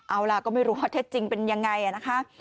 เอาล่ะก็ไม่รู้ว่าเท็จจริงเป็นยังไงนะคะ